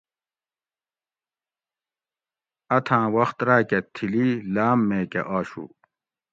اتھاں وخت راۤ کہ تھلی لام میکہ آشو